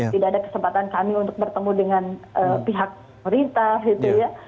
tidak ada kesempatan kami untuk bertemu dengan pihak pemerintah gitu ya